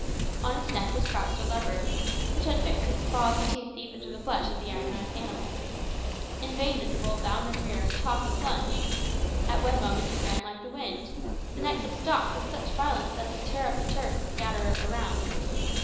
On its neck was crouched a leopard, which had fixed its claws and teeth deep in the flesh of the agonised animal. In vain did the bull bound and rear, toss and plunge. At one moment it ran like the wind; the next it stopped with such violence as to tear up the turf and scatter it around.